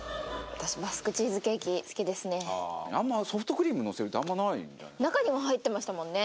あんまソフトクリームのせるってあんまないんじゃ中にも入ってましたもんね